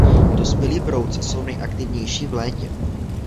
Dospělí brouci jsou nejaktivnější v létě.